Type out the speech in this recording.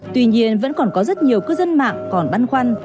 tuy nhiên vẫn còn có rất nhiều cư dân mạng còn băn khoăn